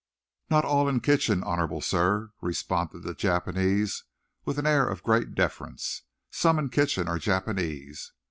"Not all in kitchen, honorable sir," responded the Japanese, with an air of great deference. "Some in kitchen are Japanese."